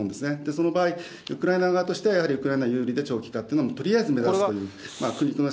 その場合、ウクライナ側としては、やはりウクライナ有利で長期化っていうのを、とりあえず目指すと思います。